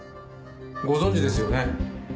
ご存じですよね。